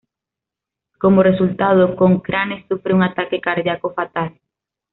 Como resultado, Cochrane sufre un ataque cardíaco fatal.